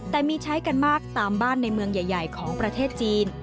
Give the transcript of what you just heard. แต่มีใช้กันมากตามบ้านในเมืองใหญ่ของประเทศจีน